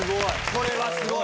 これはすごい。